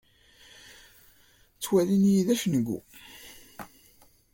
Ttwalin-iyi d acengu.